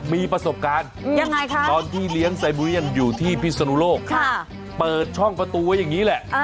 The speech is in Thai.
มีประสบการณ์ยังไงคะตอนที่เลี้ยงไซบูเรียนอยู่ที่พิศนุโลกเปิดช่องประตูไว้อย่างนี้แหละ